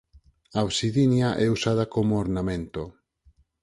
A obsidiana é usada como ornamento.